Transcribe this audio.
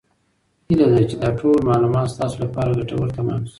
هیله ده چې دا ټول معلومات ستاسو لپاره ګټور تمام شي.